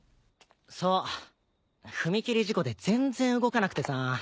そう踏切事故で全然動かなくてさ。